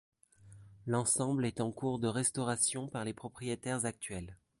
L'ensemble est en cours de restauration par les propriétaires actuels.